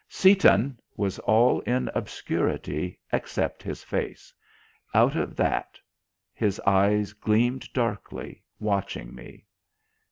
Seaton was all in obscurity except his face; out of that his eyes gleamed darkly, watching me.